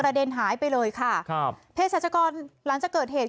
เด็นหายไปเลยค่ะครับเพศรัชกรหลังจากเกิดเหตุ